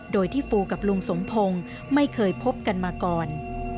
โดยที่ฟูกับลุงสมพงศ์ไม่เคยพบกันมาก่อน